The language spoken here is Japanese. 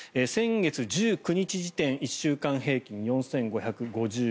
先月１９日時点１週間平均４５５５人。